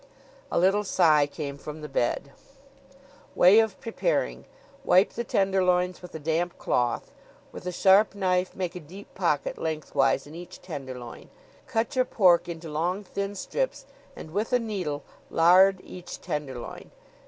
'" A little sigh came from the bed. "'Way of Preparing: Wipe the tenderloins with a damp cloth. With a sharp knife make a deep pocket lengthwise in each tenderloin. Cut your pork into long thin strips and, with a needle, lard each tenderloin.